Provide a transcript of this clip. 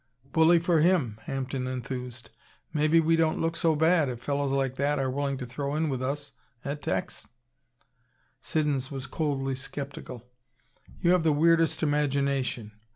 "Bully for him!" Hampden enthused. "Maybe we don't look so bad, if fellows like that are willing to throw in with us, eh, Tex?" Siddons was coldly skeptical. "You have the weirdest imagination.